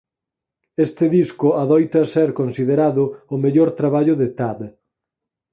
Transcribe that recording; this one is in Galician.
Este disco adoita a ser considerado o mellor traballo de Tad.